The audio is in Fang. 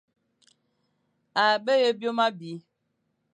A be ye byôm abî,